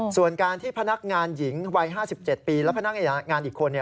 ส่วนการที่พนักงานหญิงวัย๕๗ปีและพนักงานอีกคน